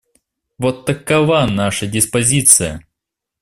Вот такова наша диспозиция.